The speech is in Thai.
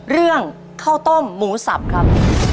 เรื่องข้าวต้มหมูสับครับ